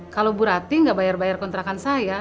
kalau bu ratih gak bayar bayar kontrakan saya